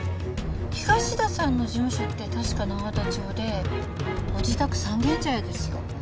東田さんの事務所って確か永田町でご自宅三軒茶屋ですよ。